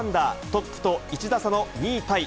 トップと１打差の２位タイ。